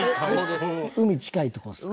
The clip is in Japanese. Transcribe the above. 海近いとこですか？